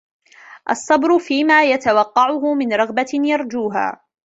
الصَّبْرُ فِيمَا يَتَوَقَّعُهُ مِنْ رَغْبَةٍ يَرْجُوهَا